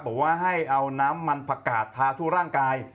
บอกว่าให้เอาน้ำมันผักกาดทาทั่วร่างกาย